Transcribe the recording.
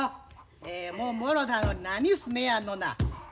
ええもんもろたのに何すねやんのな。